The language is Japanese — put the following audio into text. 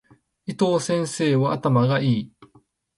伊藤先生は頭が良い。